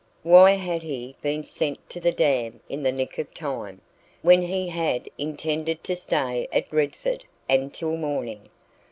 Why had he been sent to the dam in the nick of time, when he had intended to stay at Redford until morning?